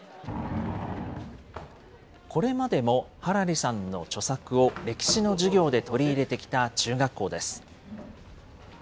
これまでもハラリさんの著作を歴史の授業で取り入れてきた中学校です。